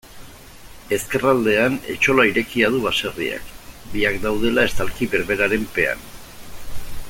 Ezkerraldean etxola irekia du baserriak, biak daudela estalki berberaren pean.